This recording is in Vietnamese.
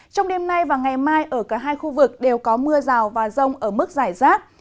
trong đêm nay và ngày mai ở cả hai khu vực đều có mưa rào và rông ở mức giải rác